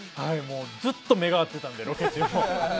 ずっと目が合ってたんですよ、ロケ中も。